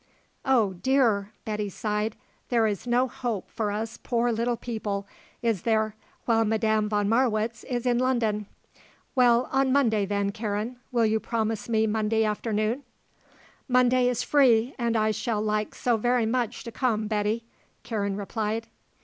"Oh, dear!" Betty sighed. "There is no hope for us poor little people, is there, while Madame von Marwitz is in London. Well, on Monday, then, Karen. Will you promise me Monday afternoon?" "Monday is free, and I shall like so very much to come, Betty," Karen replied.